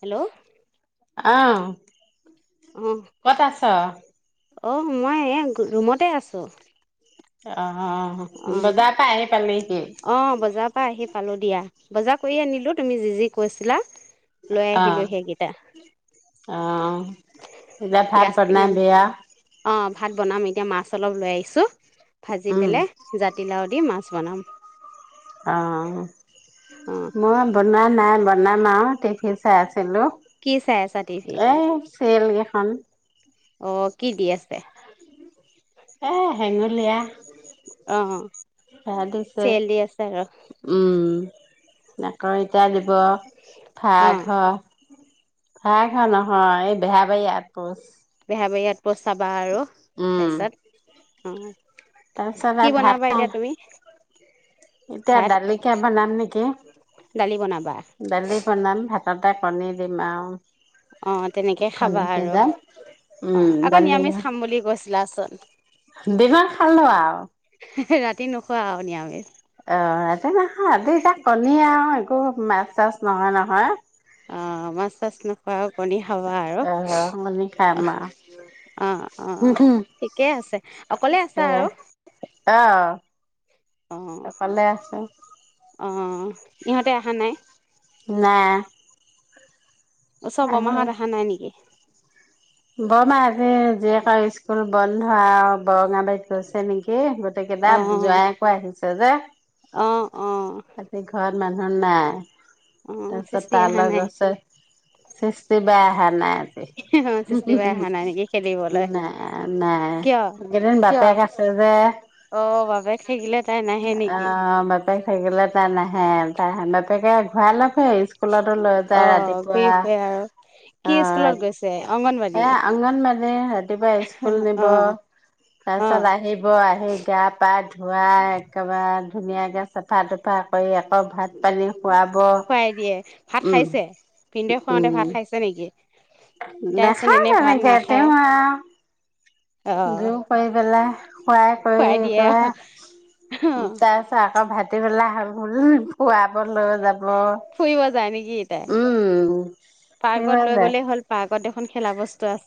Hello! অঁ অ ক'ত আছ? অ মই এই ৰুমতে আছো অ অ, বজাৰ পা আহি পালেহি অ বজাৰৰ পৰা আহি পালো দিয়া বজাৰ কৰি আনিলোঁ তুমি যি যি কৈছিলা। লৈ আহিলো আহ, সেইকেইটা আহ, এতিয়া ভাত গাজ টেঙা বনাবী আও অ ভাত বনাম এতিয়া মাছ অলপ লৈ আহিছোঁ। ভাজি উম পেলাই জাতিলাউ দি মাছ বনাম। আহ অ মই বনা নাই বনাম আৰু টিভি চাই আছোঁ। হেল্ল' কি চাই আছা টিভিত এ ছিৰিয়েল কেইখন। অ কি দি আছে? এ হেঙুলীয়া অ ভৰা দিছে। চিৰিয়েল দি আছে আৰু উম আকৌ এতিয়া [inaudible] ভাড়াঘৰ অ ভাড়াঘৰ নহয় এই Beharbari out post. Beharbari out post চাবা আৰু উম তাৰপিছত অ তাৰপিছত কি আৰু বনাবা ভাত এতিয়া খাওঁ। তুমি এতিয়া ভাত দাইলকে বনাম নেকি? দালি বনাবা দাইল বনাম ভাত তাতে কণী দিম আৰু অ তেনেকে কণী খাবা সিজাম আৰু--অ উম আকৌ দালি নিৰামিষ খাম বুলি কৈছিলাচোন। দিনত খালো আৰু সেই ৰাতি নোখোৱা আৰু নিৰামিষ। অ এ নাখাওঁ দুটা কণী আৰু নহয় একো মাছ-চাছ নহয় নহয়। অ মাছ-চাছ নোখোৱাও কণী খাবা আৰু অ কণী অ খাম অ অ আৰু ঠিকেই আছে। অকলে আছা এ আৰু অ [inaudible] অকলে আছো অহ--অহ ইহঁতে অহা নাই নাই। অ সব আহি অহামাহত অহা নাই নেকি? বৰমা আছে। জীয়েক স্কুল বন্ধ আৰু বৰঙা বাৰীত গৈছে নেকি গোটেই কেইটা জোৱাইয়েকো আহিছে। তেন্তে অহ অহ মানুহ নাই। তাৰপিছত সৃষ্টি অহা তালৈ নাই গৈছে। সৃষ্টি বেয়া হ মে [inaudible] অ [inaudible] সৃষ্টি বাই অহা নাই নেকি খেলিবলৈ নাই নাই কিয় এইকেইদিন কিয় বাপেক আছে যে, অ বাপেক থাকিলে তাই নাহে নেকি অঁ বাপেক থাকিলে তাই নাহে। তাই তাকে ঘুৰাই লৈ হে স্কুলতো লৈ অ যায় ঘূৰি ৰাতিপুৱা, ফুৰে আৰু কি অ স্কুলত গৈছে অংগনবাদী এ অংগনবাদি ৰাতিপুৱা স্কুল নিব, অ অ তাৰপিছত আহিব আহি গা পা ধুৱাই একেবা ধুনীয়াকে চাফা তাফা কৰি আকৌ ভাত পানী। খুৱাব খুৱাই দিয়ে, ভাত উম খাইছে ভিনদেউ খুৱাওঁতে ভাত খাইছে নেকি? তাইচোন দেখা এনেই ভাত তেনেকে নাখায় তেওঁ আ। আহ দেও পাই পেলাই। খোৱাই কৰি খুৱাই দিয়ে একেবাই তাৰ পিছত আকৌ ভাত ভাটিবেলা আহাৰো হল খুৱাব। মা যাব। ই তাই। অ। পাৰ্কত লৈ গ'লেই হ'ল। পাৰ্কত দেখোন খেলা বস্তু আছ [unintelligible]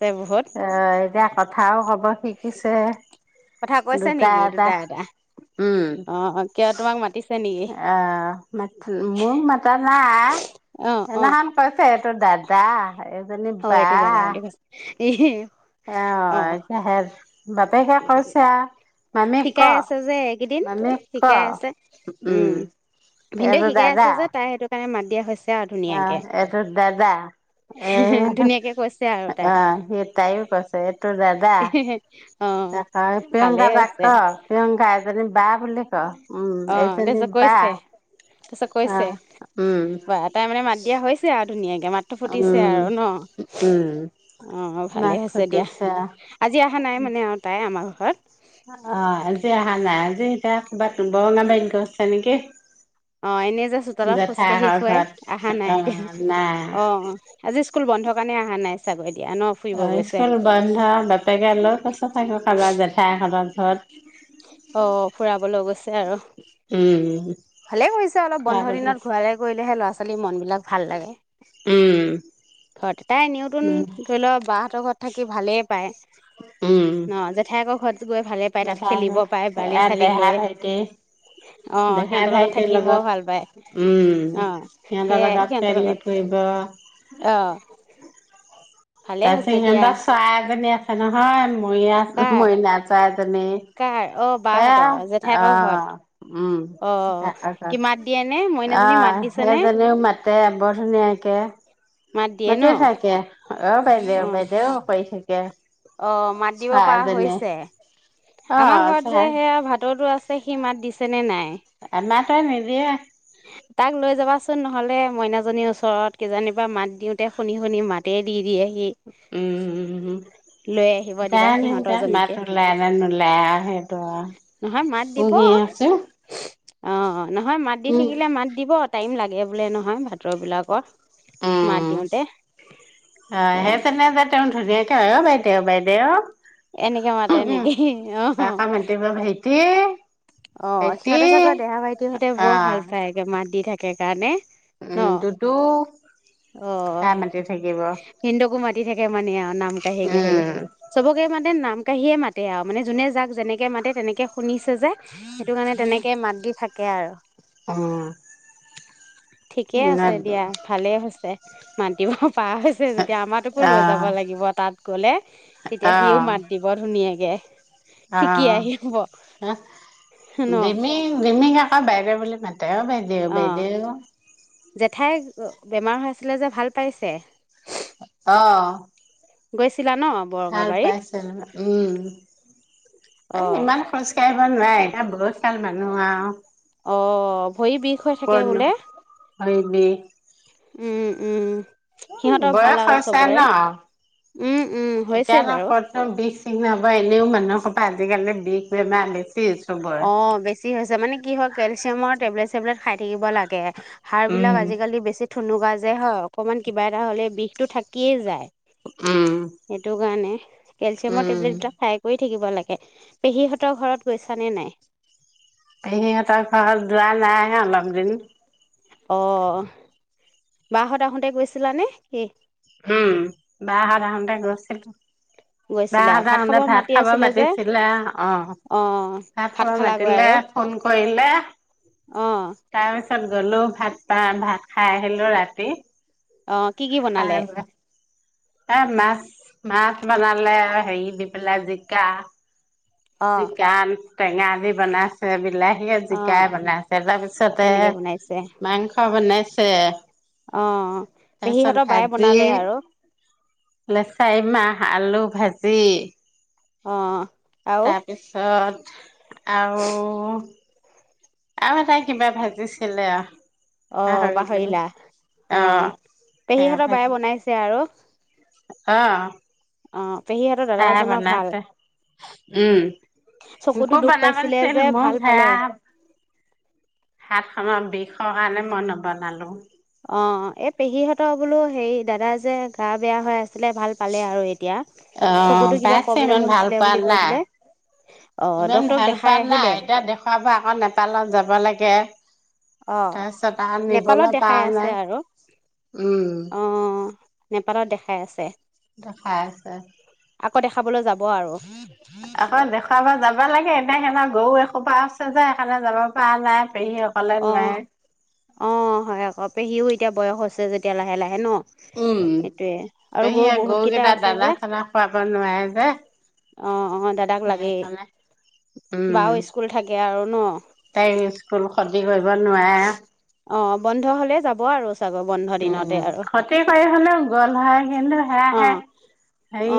অ এতিয়া কথাও কব শিকিছে কথা কৈছে দুটা নেকি এটা, উম অ কিয় তোমাক মাতিছে নেকি আহ মোক মাতা নাই অ অ সেইদিনাখন কৈছে এইটো দাদা, এইজনী বা। এহে। অ এতিয়া হে বাপেকে কৈছে আ শিকাই আছে যে এইকেইদিন ক শিকাই আছে, উম ভিনদেউ এইটো শিকাই আছে দাদা যে তাই সেইটো কাৰণ ৰণে মাত দিয়া হৈছে আৰু অ ধুনীয়াকে এইটো দাদা, এ ধুনীয়াকে কৈছে আৰু তাই অ সি তাইও কৈছে এইটো দাদা। অ ভালে প্ৰিয়ংকা বা'ক হৈছে ক, প্ৰিয়ংকা এজনি বা বুলি ক। উম অ এইজনী তাৰপিছত বা কৈছে, তাৰপিছত অ কৈছে উম বা তাই মানে মাত দিয়া হৈছে আও ধুনীয়া মাতটো ফুটিছে উম আৰু ন উম অ', মাছ ভালেই হৈছে দিয়া, খুটিছে আজি অহা নাই মানে আৰু তাই আমাৰ হেত [unintelligible] অ', আজি অহা নাই আজি এতিয়া বৰঙাবাৰীত গৈছে নেকি? অ', এনে যে চোতালত খোজ কাঢ়ি জেঠাইহঁতৰ ফুৰে ঘৰত অহা নাই অ এতিয়া নাই অ', আজি স্কুল বন্ধ কাৰণে অহা নাই ছাগৈ অ', স্কুল বন্ধ বাপেকে লৈ গৈছে ছাগৈ কাৰোবাৰ জেঠাইহতৰ ঘৰত অ ফুৰাব লৈ গৈছে আৰু উম ভালে কৰিছে অলপ খোৱা বন্ধ বুলি দিনত কৈছে ঘূৰালে কৰিলেহে লৰা ছোৱালী মন বিলাক ভাল লাগে উম ঘৰত তাই নিয়তুন ধৰিল বাহতৰ ঘৰত থাকি ভালেই পায়। উম। ন জেঠায়েকৰ ঘৰত গৈ ভালে পায় এ তাত খেলিব পায় বালি চালি লৈ অ', দেহা দেহা সিহঁতৰ ভাইটি থাকিব লগত ভাল পায় উ'ম অ সিহঁতৰ সেয়াই লগতে সিহঁতৰ লগত খেলিফুৰিব। অ ভালে তাৰপিছত হৈছে দিয়া সিহঁতৰ চৰাই এজনী আছে। নহয়। কাৰ [inaudible] জনী কাৰ অ এয়া বাহঁতৰ জেঠাইকৰ ঘৰত অ', উ'ম উ'ম অ জেঠাইকৰ কি ঘৰত মাত দিয়ে নে অ মইনাজনী মাত দিছে নে হেইজনীও মাতে বৰ ধুনীয়াকে মাত দিয়ে ন মাতি থাকে। অ', অ বাইদেউ বাইদেউ কৰি থাকে। অ', মাত দিব পৰা চৰাইজনীয়ে হৈছে। অ আমাৰ ঘৰত যে চৰাই সেয়া ভাতৌটো আছে সি মাত দিছে। তেনে নাই আমাৰ তাই নিদিয়ে। হ'লে মইনাজনীৰ ওচৰত কিজানিবা মাত দিওঁতে শুনি শুনি মাতে দি দিয়ে। উ'ম উ'ম লৈ আহিব দিবা জানো এতিয়া মাত সিহঁতৰজনীকে ওলাই নে নোলাই। বেয়া হে এইটোয়া নহয় মাত দিব পুহি আছো। অ', অ', নহয় মাত দি থাকিলে মাত দিব টাইম লাগে। বোলে নহয় ভাটৰ বিলাকৰ উম অ এ সেই তেনে যে তেওঁ ধুনীয়াক। অ- বাইদেউ, বাইদেউ এনেকে মাতে নেকি? অ আকৌ মাতিব ভাইটি অ- ভাইটি সিহঁতে ছাগৈ দেহা ভাইটী হঁতে অ বৰ ভাল পায় একে মাত দি থাকে। সেইকাৰণে - উম অ- দুদু আ অ- মাতি থাকিব ভিনিদেউকো থাকে মানে আৰু নাম কাঢ়ি- কাঢ়ি উম চবকে মাতে নাম- কাঢ়িয়ে মাতে আৰু মানে যোনে যাক যেনেকে মাতে তেনেকৈ শুনিছে যে- সেইটো কাৰণে তেনেকে মাত দি থাকে আৰু। অ ঠিকেই আছে দিয়া, ভালেই হৈছে। মাতদিব। পাৰা হৈছে যেতিয়া আমাৰাতোকো অ লৈ যাব লাগিব তাত। গ'লে। অ তেতিয়া সিও মাত দিব ধুনীয়াকে। ইয়ে। শিকি আহিব। ন ডিমিং-ডিমিং আকৌ বাইদেউ বুলি মাতি- অ- বাইদেউ অ বাইদেউ। জেঠাই বেমাৰ হৈ আছিলে যে, ভাল পাইছে? অ গৈছে। ভাল পাইছে অ উম-এই ইমান খোজ কাঢ়িব - মান নাই, এটা বহুত গাল মানুহ আউ- অ। ভৰি বিষ হৈ থাকে কন বোলে হয় ম [unintelligible] উম-উম বয়স হৈছে ন! উম উম হৈছে এতিয়া নো বাৰু কতনো বিষ- চিষ নহব এনেও মানুহ- আজিকালি বিষ-বেমাৰ বে- অ- বেছি হৈছে মানে কি হয়, কেলচিয়ামৰ টেবলেট চেবলেট- খাই থাকিব লাগে। সাৰ উম বিলাক আজিকালি বেছি। থুনুুকা যে হয়, অকণমান কিবা এটা হ'লে বিষটো থাকিয়েই যায়। উম সেইটো কাৰণে- কেলচিয়ামৰ উম। টেলেটবাক খাই কৰি থাকিব লাগে, পেহীহঁতৰ ঘৰত গৈছে ছনে নাই? পেহী হতৰ ঘৰত যোৱা ন সেই অলপ দিন। অ' বা হ'ত আহোতে গৈছিলানে কি? উম বা গৈছিলা হ'ত আহোতে ভাত মাতি খাব আছিলে যে মাতিছিলে। অ' ভাত খাব খালাগৈ মাতিলে আৰু ফোন কৰিলে অ তাৰপিছত তাৰ পিছত গলো ভাত পা ভাত খাই আহিলো ৰাতি। অ কি কি অহ বনালে এফালে আহ এ মাছ মাছ বনালে হেৰি দি পেলাই জিকা অ যি কান [unintelligible] টেঙা দি বনাইছে বিলাহী জিকাই বনাইছে, তাৰপিছতে তেনেকে বনাইছে মাংস বনাইছে চে অ' পেহীহঁতৰ বায়ে বনালে আৰু। লেচাই মাহ, আলু ভাজি অ' আৰু তাৰপিছত আৰু আৰু এটা কিবা ভাজিছিলে অ' পাহৰিলো পাহৰিলা, অ' সেয়া পেহীহঁতৰ ভাজি বায়ে বনাইছে আৰু ‍। অ' পেহীহঁতৰ তাই দাদাজনৰ ভাল বনাইছে, উম চকুতো মোকো দুখ বনাব পাইছিলে দিছিল যে মোৰ ভাল পালে ভেয়া হাত খনৰ বিষৰ কাৰণে মই নবনালো। অ' এই পেহীহঁতৰ বোলো হেৰি দাদা যে গা বেয়া হৈ আছে চকুতো অ' কিবা পাইছে প্ৰব্লেম ইমান ভাল হৈছিলে পোৱা বুলি নাই, কৈছিলে অ ইমান ডক্তৰক ভাল দেখাই পোৱা নাই আহিলে এতিয়া দেখুৱাব আকৌ নেপালত যাব লাগে। অহ তাৰপিছত আৰু নেপালত নিবলৈ দেখাই পাৰা আছে নাই। আৰু উম অ' নেপালত দেখাই আছে। দেখাই আছে আকৌ দেখাবলৈ যাব আৰু। আকৌ দেখাব যাম যাব লাগে, এনে সেইনা গৰু এসোপা আছে যে সেইকাৰণে যাব পৰা নাই। পেহী অকলে নোৱাৰে অ' অ' হয় আকৌ পেহীও এতিয়া বয়স হৈছে যেতিয়া লাহে লাহে ন! উম, সেইটোয়ে আৰু গৰু পেহীয়ে বহুত কেইটা গৰুকেইটা আছে যে দানা চানা খুৱাব নোৱাৰে যে। অ' অ দাদাক লাগেই। সেইকাৰণে উম। বাও স্কুল থাকে আৰু ন? কুল সদি কৰিব নোৱাৰে আ! অম উম উম, আৰু ক্ষতি কৰি হলেও গ'ল হয় কিন্তু অ সেয়াহে,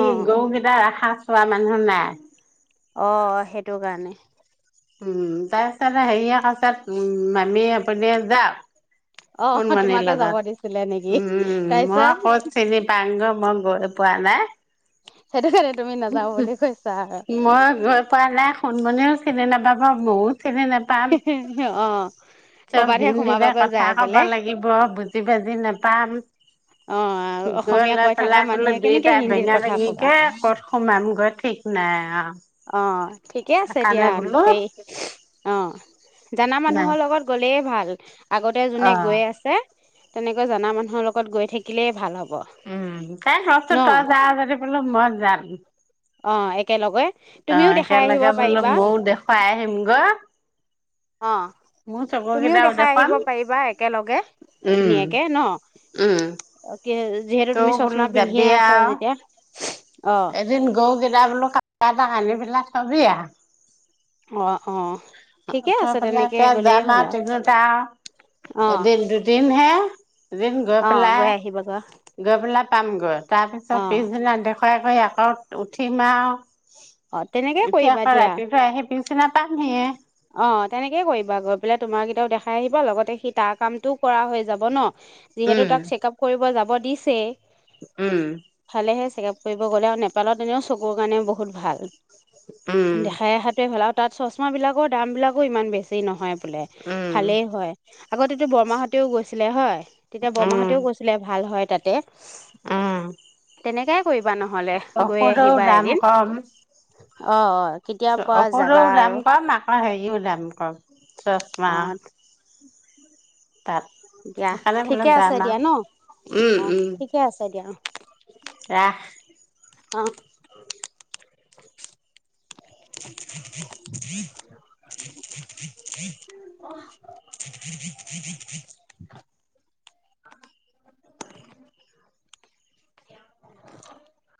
অ গৰুকেইটা ৰাখাছে খোৱা মানুহ নাই। অ সেইটো কাৰণে। উম তাইৰ ছাতা হেইএ কাছেত উম মামীয়ে আপুনিয়ে যাওক। অ সোণমণিৰ তোমাকে যাব দিছিলে নেকি লগত। উম ও মই তাৰপিছত ক'ত চিনি পাংগে মই গৈয়ে পোৱা নাই। সেদে সেৰেন হু হু মই গৈ পোৱা নাই সুনমনিও সেইদিনা পা পা মও চিনি নেপাম, অ চব কৰবাতহে হিন্দীতে সোমাবাগৈ কথা যাই কব পেলাই লাগিব বুজি বাজি নেপাম, অ গৈ অসমীয়া লৈ কৈ থকা পেলাই বোলো মানুহে কেনেকে দুইটাই হিন্দীত বেঙা কথা কবা বেঙিকে ক'ত সোমামগৈ ঠিক নাই অ। অ ঠিকে আছে দিয়া হেই উচ অ, জানা নাই মানুহৰ লগত গ'লেই ভাল, আগতে অ জোনে গৈ আছে তেনেকৈ জানা মানুহৰ লগত গৈ থাকিলেই ভাল হ'ব উম, তাইক মাতছে ন তই যা যদি বুলো মই যাম। অ এক অ একেলগে বোলো ময়ো দেখুৱাই আহিম গৈ অ তুমিও দেখাই আহিব পাৰিবা একেলগে, ধুনীয়াকে উম ন? [unintelligible] যিহেতু তৌ তুমি বোলো চশমা পিন্ধিয়ে যাবি আছা আৰু যেতিয়া। অ এদিন গৌ যেত বোলো ক এটা আনি পেলাক চবি আৰু অ অ। ঠিকে আছে তেনেকে গ'লেই যাম আও হ'ল আৰু তিনোটা আও, অ এদিন দুদিন হে। এদিন গৈ অ পেলাই, আহিবাগৈ গৈ পেলাই পামগৈ। তাৰ পিছত অ পিছদিনা দেখ খাই কৰি আকৌ উঠিম আও অ তেনেকে উঠি কৰিবা আকৌ দিয়া ৰাতিটো আহি পিচদিনা পামহিয়ে। অ' তেনেকেই কৰিবা। গৈ পেলাই তোমাৰ কেইটাও দেখাই আহিবা। লগতে সি তাৰ কামটোও কৰা হৈ যাব ন? যিহেতু উম তাক চেক-আপ কৰিব যাব দিছেই উম। চেক-আপ কৰিব গ'লে আৰু নেপালত এনেও চকুৰ কাৰণে বহুত ভাল উম, দেখাই অহাটোৱে ভাল আৰু তাত চশমা বিলাকত দামবিলাকো ইমান বেছি নহয়। [unintelligible] উম, ভালেই হয় আগতে এইটো বৰমাহঁতেও গৈছিলে হয়? তেতিয়া বৰমাহঁতেও কৈছিলে ভাল হয় তাতে অ'। তেনেকে- কৰিবা নহ'লে গৈ আহিবা দাম এদিন কম। অ', অ' কেতিয়া পৰা ঔষধৰো যাবা আৰু দাম কম [unintelligible] হেৰি [unintelligible] দাম কম অ চশমা তাত, দিয়া সেকানে বোলে ঠিকে আছে যাম আ, দিয়া ন উম অ উম ঠিকে আছে দিয়া ৰাখ অ' [inaudible] [inaudible] [inaudible] [inaudible]